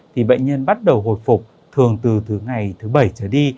thì bệnh nhân bắt đầu hồi phục thường từ thứ ngày thứ bảy trở đi